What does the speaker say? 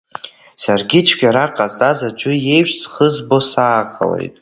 Саргьы цәгьарак ҟазҵаз аӡәы иеиԥш схы збо сааҟалеит.